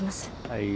はい